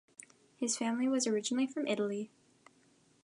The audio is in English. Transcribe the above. His family was originally from Italy.